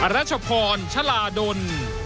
รัชพรชลาดล